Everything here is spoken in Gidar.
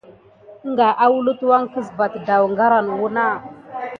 Asa kuka pay nulà va tedafar winaga vi asane mituwé.